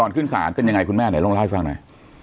ก่อนขึ้นศาลเป็นยังไงคุณแม่ไหนล่องรายฟังหน่อย